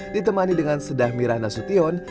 ditemani dengan sedah mirah nasution